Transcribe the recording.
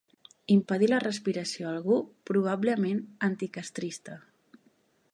Impedir la respiració a algú, probablement anticastrista.